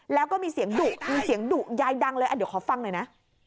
แล้วก็มีเสียงดุคือเสียงดุยายดังเลยอ่ะเดี๋ยวขอฟังหน่อยนะ